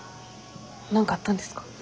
何かあったんですか？